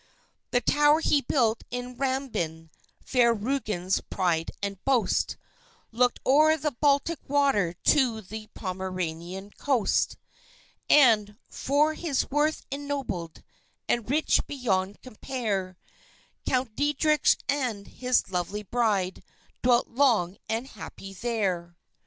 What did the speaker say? The tower he built in Rambin, fair Rügen's pride and boast, Looked o'er the Baltic water to the Pomeranian coast; And, for his worth ennobled, and rich beyond compare, Count Deitrich and his lovely bride dwelt long and happy there.